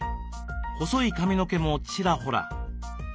細い髪の毛もちらほら。